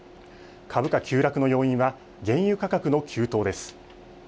株価急落の要因は原油価格の急騰です。